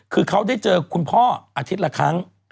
คือเขาได้เจอคุณพ่ออาทิตย์ละครั้ง